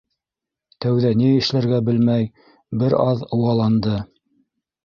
Тәүҙә ни эшләргә белмәй, бер аҙ ыуаланды.